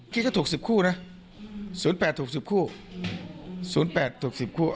คิดก็ถูกสิบคู่นะศูนย์แปดถูกสิบคู่ศูนย์แปดถูกสิบคู่